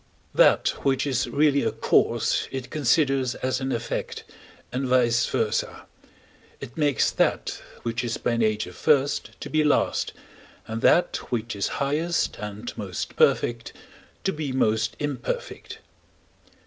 That which is really a cause it considers as an effect, and vice versâ: it makes that which is by nature first to be last, and that which is highest and most perfect to be most imperfect.